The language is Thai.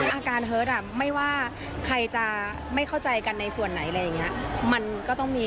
อาการเฮิร์ตอ่ะไม่ว่าใครจะไม่เข้าใจกันในส่วนไหนอะไรอย่างนี้